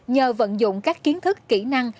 nhờ vận dụng các kiến thức kỹ năng